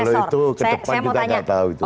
kalau itu kedepan juga gak tahu itu